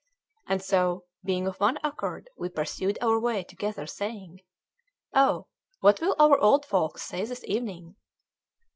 And so, being of one accord, we pursued our way together, saying, "Oh, what will our old folks say this evening?"